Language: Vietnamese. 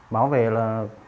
báo về là